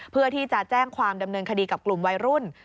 เพื่อที่จะแจ้งความดำเนินคดีกับกลุ่มวัยรุ่น